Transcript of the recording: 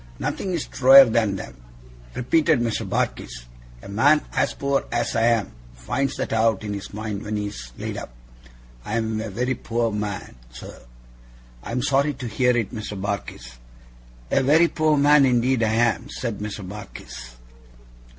'Nothing's truer than them,' repeated Mr. Barkis; 'a man as poor as I am, finds that out in his mind when he's laid up. I'm a very poor man, sir!' 'I am sorry to hear it, Mr. Barkis.' 'A very poor man, indeed I am,' said Mr. Barkis.